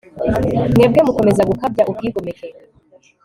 mwebwe mukomeza gukabya ubwigomeke